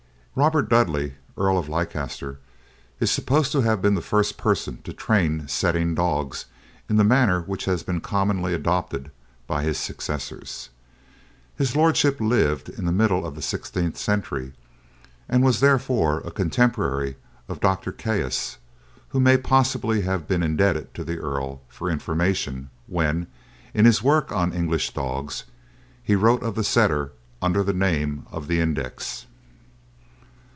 Robert Dudley, Earl of Leicester, is supposed to have been the first person to train setting dogs in the manner which has been commonly adopted by his successors. His lordship lived in the middle of the sixteenth century, and was therefore a contemporary of Dr. Caius, who may possibly have been indebted to the Earl for information when, in his work on English Dogges, he wrote of the Setter under the name of the Index.